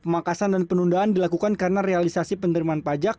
pemangkasan dan penundaan dilakukan karena realisasi penerimaan pajak